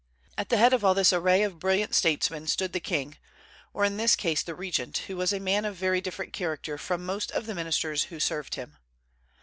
At the head of all this array of brilliant statesmen stood the king, or in this case the regent, who was a man of very different character from most of the ministers who served him.